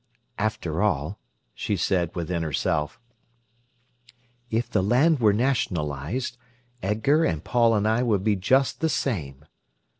"After all," she said within herself, "if the land were nationalised, Edgar and Paul and I would be just the same."